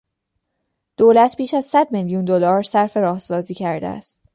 دولت بیش از صد میلیون دلار صرف راهسازی کرده است.